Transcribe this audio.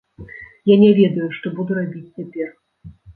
Я не ведаю, што буду рабіць цяпер.